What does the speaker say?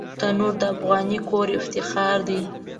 تنور د افغاني کورنۍ افتخار دی